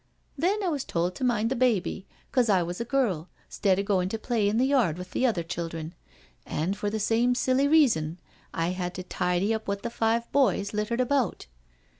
Then I was told to mind the baby, 'cause I was a girl, 'stead of going to play in the yard with the other children, and for the same silly reason I had to tidy up what the five boys littered about.